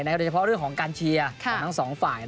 โดยเฉพาะเรื่องของการเชียร์ของทั้งสองฝ่าย